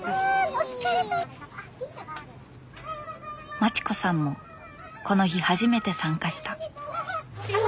まちこさんもこの日初めて参加した。